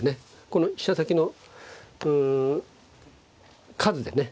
この飛車先のうん数でね